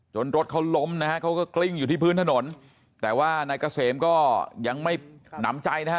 รถเขาล้มนะฮะเขาก็กลิ้งอยู่ที่พื้นถนนแต่ว่านายเกษมก็ยังไม่หนำใจนะฮะ